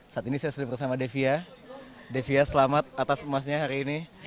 saat ini saya sudah bersama devia devia selamat atas emasnya hari ini